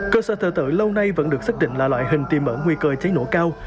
cơ sở thờ tự lâu nay vẫn được xác định là loại hình tiêm ẩn nguy cơ cháy nổ cao